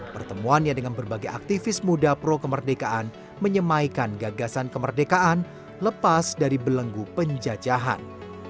pertemuannya dengan berbagai aktivis muda pro kemerdekaan menyemaikan gagasan kemerdekaan lepas dari belenggu penjajahan